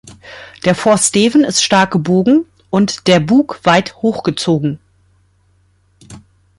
Der Vorsteven ist stark gebogen und der Bug weit hochgezogen.